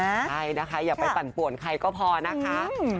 ใช่นะคะอย่าไปปั่นป่วนใครก็พอนะคะ